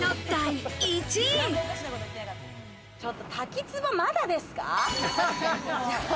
ちょっとタキツバ、まだですか？